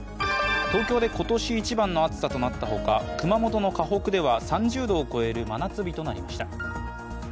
東京で今年一番の暑さとなった他、熊本の鹿北では３０度を超える真夏日となりました。